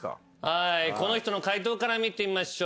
はいこの人の解答から見てみましょう。